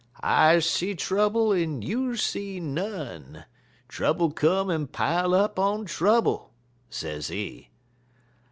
'I see trouble en you see none; trouble come en pile up on trouble,' sezee.